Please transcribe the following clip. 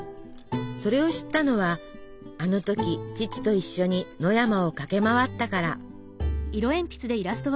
それを知ったのはあの時父と一緒に野山を駆け回ったから。